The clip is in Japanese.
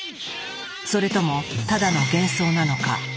それともただの幻想なのか？